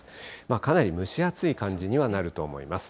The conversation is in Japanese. かなり蒸し暑い感じにはなると思います。